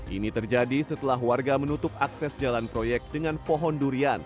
ini terjadi setelah warga menutup akses jalan proyek dengan pohon durian